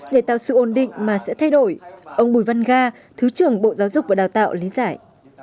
để tạo sự ổn định mà sẽ thay đổi ông bùi văn ga thứ trưởng bộ giáo dục và đào tạo lý giải